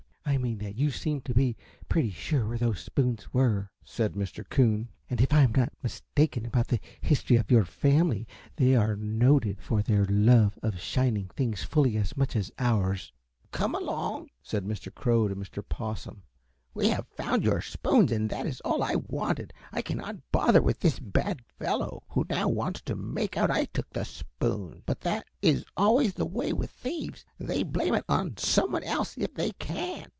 "I mean that you seemed to be pretty sure where those spoons were," said Mr. Coon, "and if I am not mistaken about the history of your family, they are noted for their love of shining things fully as much as ours." "Come along," said Mr. Crow to Mr. Possum; "we have found your spoons, and that is all I wanted. I cannot bother with this bad fellow, who now wants to make out I took the spoons; but that is always the way with thieves they blame it on some one else if they can."